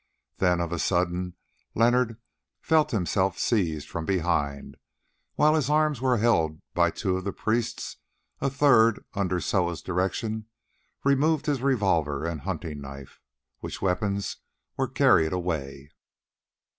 Then, of a sudden Leonard felt himself seized from behind, and while his arms were held by two of the priests, a third, under Soa's direction, removed his revolver and hunting knife, which weapons were carried away.